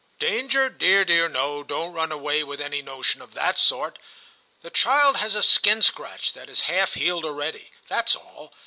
' Danger, dear, dear, no ! Don't run away with any notion of that sort. The child has a skin scratch that is half healed already ; that's all.